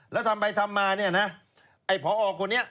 แล้วทำไปทำมาเนี่ยนะ